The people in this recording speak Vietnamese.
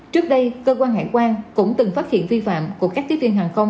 trước đây cơ quan hải quan cũng từng phát hiện vi phạm của các tiếp viên hàng không